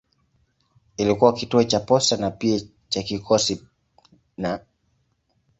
Ilikuwa kituo cha posta na pia cha kikosi na.